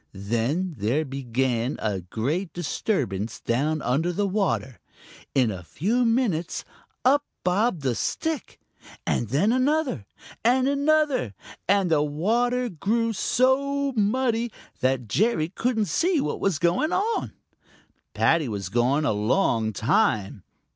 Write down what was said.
Then there began a great disturbance down under water. In a few minutes up bobbed a stick, and then another and another, and the water grew so muddy that Jerry couldn't see what was going on. Paddy was gone a long time.